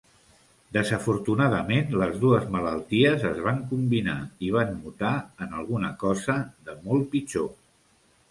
Desafortunadament les dues malalties es van combinar i van mutar en alguna cosa de molt pitjor.